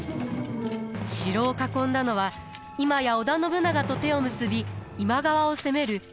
城を囲んだのは今や織田信長と手を結び今川を攻める家康でした。